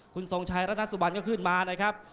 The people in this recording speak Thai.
คุณทรงชัยรัตนสุบันก็ขึ้นมานะครับ